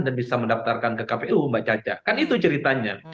dan bisa mendaftarkan ke kpu mbak caca kan itu ceritanya